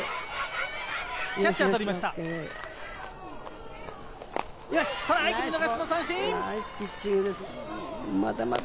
キャッチャー、とりました。